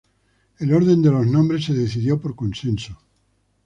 El orden de los nombres se decidió por consenso.